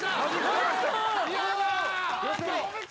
・やったー！